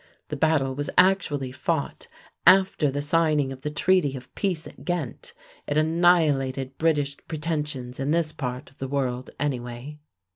The battle was actually fought after the signing of the treaty of peace at Ghent; it annihilated British pretensions in this part of the world, anyway.